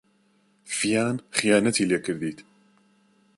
ڤیان خیانەتی لێ کردیت.